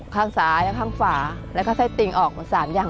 ข้างซ้ายและข้างฝาแล้วก็ไส้ติ่งออกมา๓อย่าง